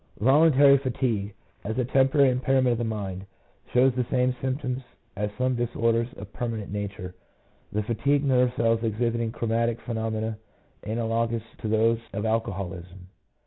108 PSYCHOLOGY OF ALCOHOLISM. impairment of the mind, shows the same symptoms as some disorders of a permanent nature, the fatigued nerve cells exhibiting chromatic phenomena ana logous to those of alcoholism.